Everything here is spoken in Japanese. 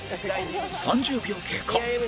３０秒経過